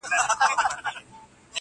تشېدل به د شرابو ډك خمونه!.